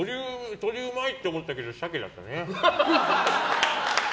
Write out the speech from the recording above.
鶏うまいって思ったけどシャケだったね。